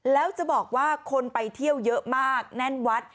แล้วจะบอกว่าคนไปเที่ยวเยอะมากแน่นวัด